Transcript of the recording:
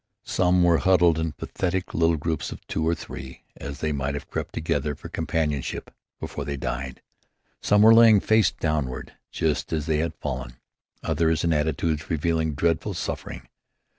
Some were huddled in pathetic little groups of two or three as they might have crept together for companionship before they died. Some were lying face downward just as they had fallen. Others in attitudes revealing dreadful suffering.